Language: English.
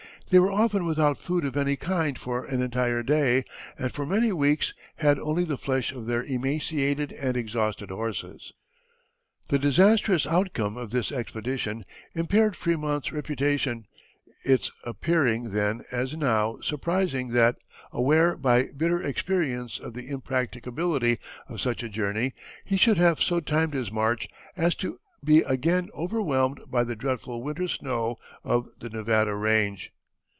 They were often without food of any kind for an entire day and for many weeks had only the flesh of their emaciated and exhausted horses. The disastrous outcome of this expedition impaired Frémont's reputation, it appearing, then as now, surprising that, aware by bitter experience of the impracticability of such a journey, he should have so timed his march as to be again overwhelmed by the dreadful winter snow of the Nevada range.